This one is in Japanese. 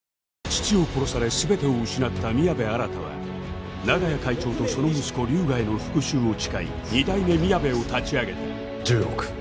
父を殺され全てを失った宮部新は長屋会長とその息子龍河への復讐を誓い二代目みやべを立ち上げた１０億。